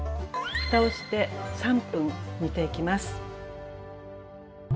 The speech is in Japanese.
ふたをして３分煮ていきます。